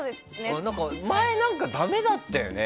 前、何かだめだったよね。